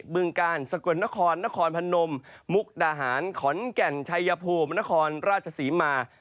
ึงกาลสกลนครนครพนมมุกดาหารขอนแก่นชัยภูมินครราชศรีมา